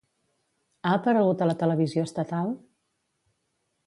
Ha aparegut a la televisió estatal?